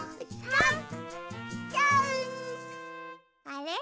あれ？